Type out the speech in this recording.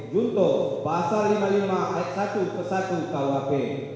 juntuh pasal lima puluh lima ayat satu kwp